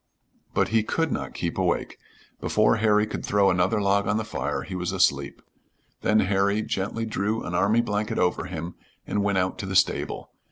But he could not keep awake. Before Harry could throw another log on the fire he was asleep. Then Harry gently drew an army blanket over him and went out to the stable.